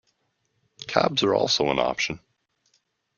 Cabs are also an option.